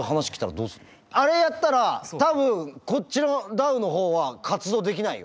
あれやったら多分こっちのダウの方は活動できないよ。